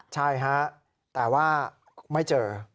ใช่ฮะแต่ว่าไม่เจอ